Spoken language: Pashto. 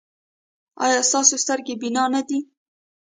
ایا ستاسو سترګې بینا نه دي؟